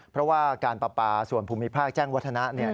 เพราะว่าการปรับปลาส่วนภูมิภาคแจ้งวัฒนาเนี่ย